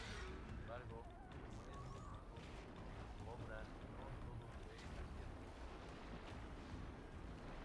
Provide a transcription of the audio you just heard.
Sin embargo como es lógico, en su obra no todo fueron aciertos.